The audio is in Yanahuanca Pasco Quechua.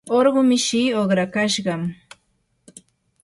urqu mishii uqrakashqa.